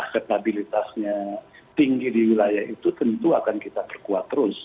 akseptabilitasnya tinggi di wilayah itu tentu akan kita perkuat terus